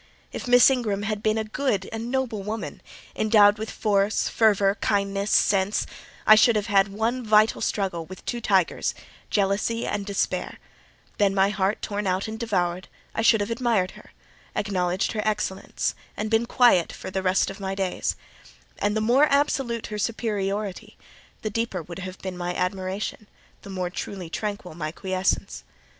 If Miss Ingram had been a good and noble woman, endowed with force, fervour, kindness, sense, I should have had one vital struggle with two tigers—jealousy and despair: then, my heart torn out and devoured, I should have admired her—acknowledged her excellence, and been quiet for the rest of my days: and the more absolute her superiority, the deeper would have been my admiration—the more truly tranquil my quiescence.